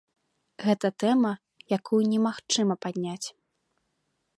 Гэта тэма, якую немагчыма падняць.